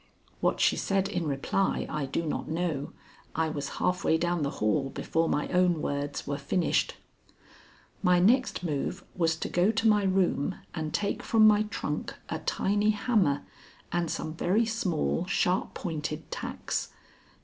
What she said in reply I do not know. I was half way down the hall before my own words were finished. My next move was to go to my room and take from my trunk a tiny hammer and some very small, sharp pointed tacks.